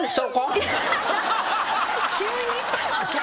急に？